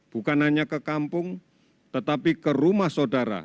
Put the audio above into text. bukan hanya ke kampung tetapi ke rumah saudara